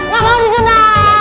gak mau disunat